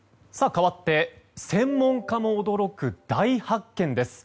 かわって、専門家も驚く大発見です。